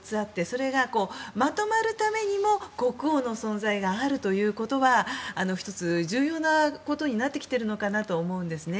それがまとまるためにも国王の存在があるということは１つ重要なことになってきてるのかなと思うんですね。